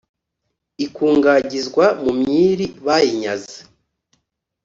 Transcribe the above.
ikungagizwa mu myiri bayinyaze.